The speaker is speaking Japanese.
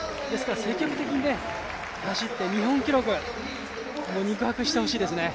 積極的に走って日本記録、肉薄してほしいですね。